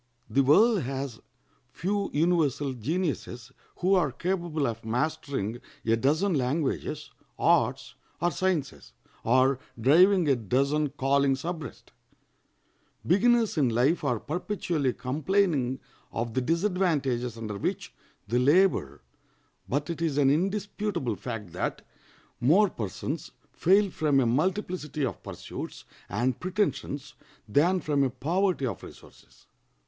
The world has few universal geniuses who are capable of mastering a dozen languages, arts, or sciences, or driving a dozen callings abreast. Beginners in life are perpetually complaining of the disadvantages under which they labor; but it is an indisputable fact that more persons fail from a multiplicity of pursuits and pretensions than from a poverty of resources.